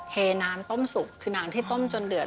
เทน้ำต้มสุกคือนางที่ต้มจนเดือด